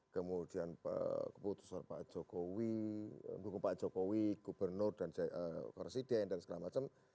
kemudian keputusan pak jokowi mendukung pak jokowi gubernur dan presiden dan segala macam